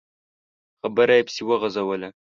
خبره يې پسې وغځوله.